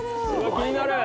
気になる！